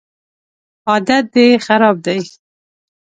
عادت دي خراب دی